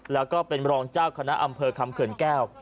แล้วก็เป็นรองเจ้าคณะอำเภอคำเขื่อนแก้ว